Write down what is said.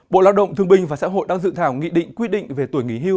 bộ lao động thương binh và xã hội đang dự thảo nghị định quy định về tuổi nghỉ hưu